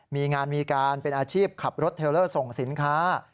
มีงานมีการเป็นอาชีพขับรถเทลเลอร์ส่งสินค้า